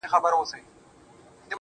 د ترټولو عقلاني علم «هندسې» مثال ورکوي